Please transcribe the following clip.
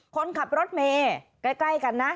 คนขับรถเมย์ใกล้กันนะ